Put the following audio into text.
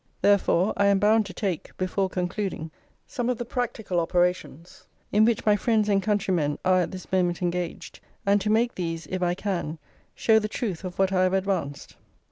Therefore I am bound to take, before concluding, some of the practical operations in which my friends and countrymen are at this moment engaged, and to make these, if I can, show the truth of what I have advanced.